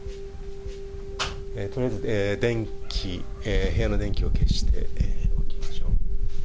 とりあえず電気、部屋の電気を消しておきましょう。